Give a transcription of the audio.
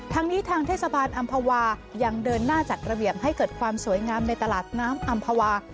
ทางนี้ทางเทศบาลอำภาวายังเดินหน้าจัดระเบียบให้เกิดความสวยงามในตลาดน้ำอำภาวา